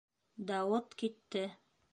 Дауыт китте.